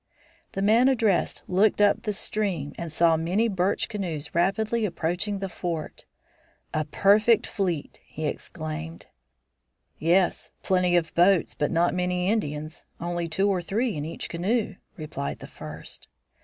The man addressed looked up the stream and saw many birch canoes rapidly approaching the fort. "A perfect fleet!" he exclaimed. "Yes; plenty of boats, but not many Indians; only two or three in each canoe," replied the first.